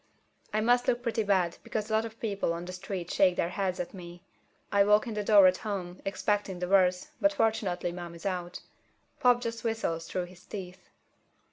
I must look pretty bad because a lot of people on the street shake their heads at me. I walk in the door at home, expecting the worst, but fortunately Mom is out. Pop just whistles through his teeth.